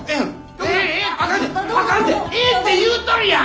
ええって言うとるやん！